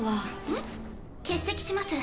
ん？欠席します。